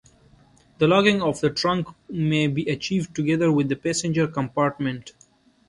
The locking of the trunk may be achieved together with the passenger compartment.